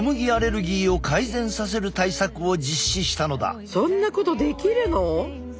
実はそんなことできるの？